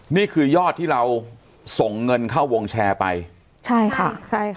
นี่คือยอดที่เราส่งเงินเข้าวงแชร์ไปใช่ค่ะใช่ค่ะ